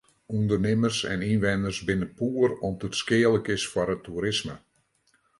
Undernimmers en ynwenners binne poer om't it skealik is foar it toerisme.